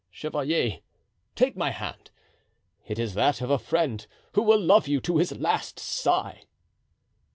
Chevalier, take my hand; it is that of a friend who will love you to his last sigh."